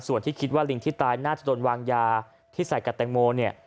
ส่วนที่คิดว่าลิงที่ตายน่าจะโดนวางยาที่ใส่กับแตงโมเนี่ย